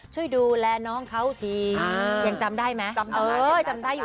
ช่วยดูแลน้องเขาทียังจำได้ไหมจำได้เออจำได้อยู่